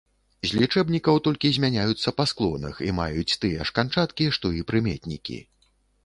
З лічэбнікаў толькі змяняюцца па склонах і маюць тыя ж канчаткі, што і прыметнікі.